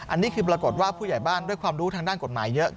อันนี้คือปรากฏว่าผู้ใหญ่บ้านด้วยความรู้ทางด้านกฎหมายเยอะ